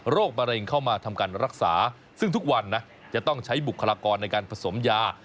มะเร็งเข้ามาทำการรักษาซึ่งทุกวันนะจะต้องใช้บุคลากรในการผสมยา